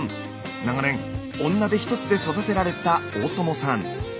長年女手一つで育てられた大友さん。